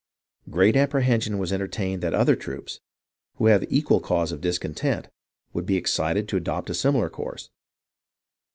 Great apprehension was entertained that other troops, who have equal cause of discontent, would be excited to adopt a similar course.